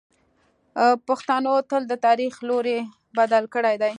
پښتنو تل د تاریخ لوری بدل کړی دی.